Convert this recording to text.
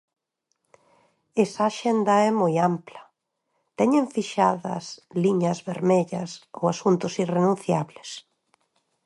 Esa axenda é moi ampla; teñen fixadas o liñas vermellas, asuntos irrenunciables?